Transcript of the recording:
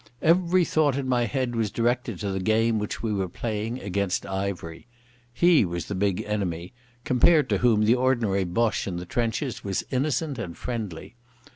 Every thought in my head was directed to the game which we were playing against Ivery. He was the big enemy, compared to whom the ordinary Boche in the trenches was innocent and friendly.